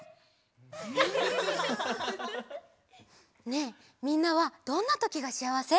ねえみんなはどんなときがしあわせ？